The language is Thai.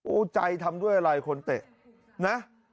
ใจทำด้วยอะไรคนเตะนะ